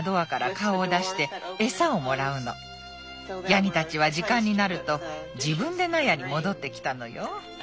ヤギたちは時間になると自分で納屋に戻ってきたのよ。